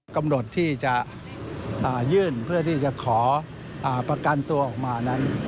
กำหนดที่จะยื่นเพื่อที่จะขอประกันตัวออกมานั้น